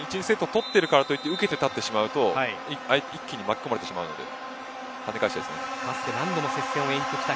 ２セット取っているからといって受けてしまうと相手に跳ね返されてしまうので巻き返していきたいですね。